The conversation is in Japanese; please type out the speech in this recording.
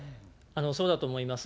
そうだと思います。